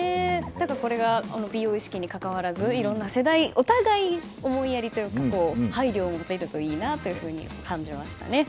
これが美容意識に関わらずいろんな世代、お互い思いやりというか配慮を持てるといいなと思いましたね。